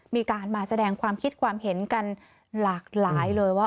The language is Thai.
มีการมาแสดงความคิดความเห็นกันหลากหลายเลยว่า